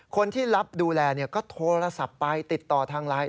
คนที่รับดูแลก็โทรศัพท์ไปติดต่อทางไลน์